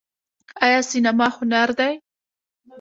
آیا سینما هنر دی؟